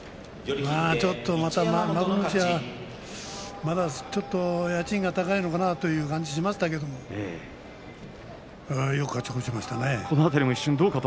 ちょっと戻るんじゃ家賃が高いのかなという感じがしましたけれどもよく勝ち越しましたね。